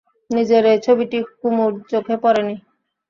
নিজের এই ছবিটি কুমুর চোখে পড়ে নি।